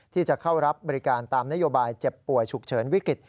ที่จะเข้ารับบริการตามนโยบายเจ็บป่วยฉุกเฉินวิกฤต